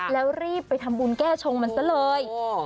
แล้วรีบไปทำบุญแก้ชงมันซะเลย